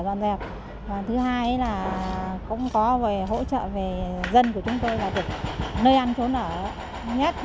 trước mắt về là dọn dẹp thứ hai là cũng có hỗ trợ về dân của chúng tôi là nơi ăn trốn ở nhất